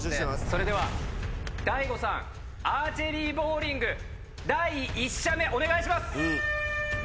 それではＤＡＩＧＯさんアーチェリーボウリング第１射目お願いします！